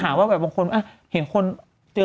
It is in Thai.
มันติดคุกออกไปออกมาได้สองเดือน